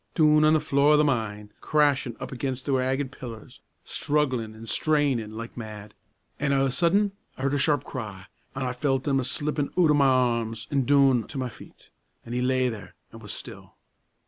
doon on the floor o' the mine, crashin' up against the ragged pillars, strugglin' an' strainin' like mad an' a' of a sudden, I heard a sharp cry, an' I felt him a slippin' oot o' ma arms an' doon to ma feet, an' he lay there an' was still.